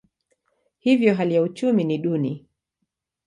Hivyo hali ya uchumi ni duni.